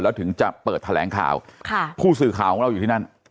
แล้วถึงจะเปิดแถลงข่าวค่ะผู้สื่อข่าวของเราอยู่ที่นั่น